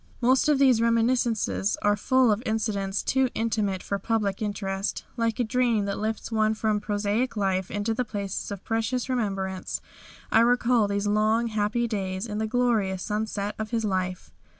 Most of these reminiscences are full of incidents too intimate for public interest. Like a dream that lifts one from prosaic life into the places of precious remembrance I recall these long, happy days in the glorious sunset of his life.